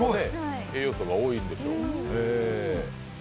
栄養素が多いんでしょう。